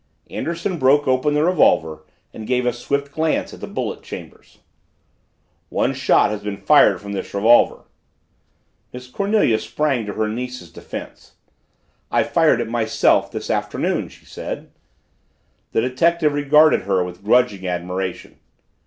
Anderson broke open the revolver and gave a swift glance at the bullet chambers. "One shot has been fired from this revolver!" Miss Cornelia sprang to her niece's defense. "I fired it myself this afternoon," she said. The detective regarded her with grudging admiration.